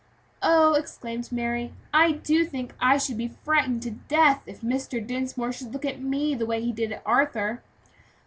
"Oh!" exclaimed Mary, "I do think I should be frightened to death if Mr. Dinsmore should look at me as he did at Arthur."